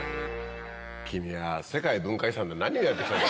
君は世界文化遺産で何をやって来たんだ。